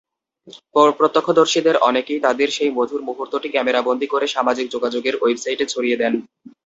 প্রত্যক্ষদর্শীদের অনেকেই তাঁদের সেই মধুর মুহূর্তটি ক্যামেরাবন্দী করে সামাজিক যোগাযোগের ওয়েবসাইটে ছড়িয়ে দেন।